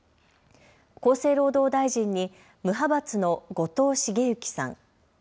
厚生労働大臣に無派閥の後藤茂之さん。